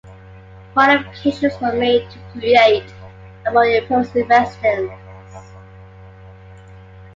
Modifications were made to create a more imposing residence.